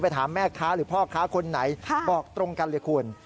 ถามแม่ค้าหรือพ่อค้าคนไหนบอกตรงกันเลยคุณ